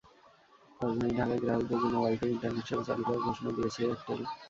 রাজধানী ঢাকায় গ্রাহকদের জন্য ওয়াই-ফাই ইন্টারনেট সেবা চালু করার ঘোষণা দিয়েছে এয়ারটেল।